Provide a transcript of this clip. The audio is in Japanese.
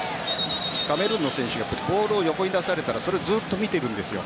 カメルーンの選手はボールを横に出されたらそれをずっと見てるんですよ。